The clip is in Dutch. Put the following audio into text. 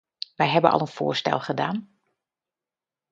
Wij hebben al een voorstel gedaan.